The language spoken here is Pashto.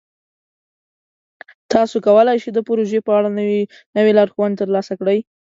تاسو کولی شئ د پروژې په اړه نوې لارښوونې ترلاسه کړئ.